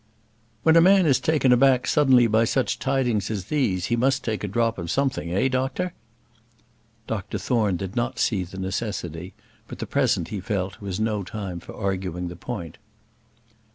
"When a man is taken aback suddenly by such tidings as these, he must take a drop of something, eh, doctor?" Dr Thorne did not see the necessity; but the present, he felt, was no time for arguing the point.